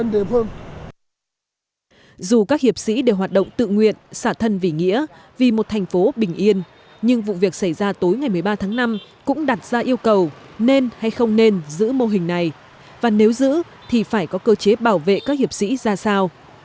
dù các hiệp sĩ đều hoạt động tự nguyện xả thân vì nghĩa vì một thành phố bình yên nhưng vụ việc xảy ra tối ngày một mươi ba tháng năm cũng đặt ra yêu cầu nên hay không nên giữ mô hình này và nếu giữ thì phải có cơ chế bảo vệ các hiệp sĩ ra sao